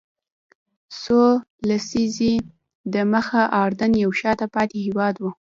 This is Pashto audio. څو لسیزې دمخه اردن یو شاته پاتې هېواد و.